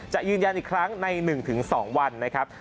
จะยืนยันอีกครั้งใน๑๒วันนะครับ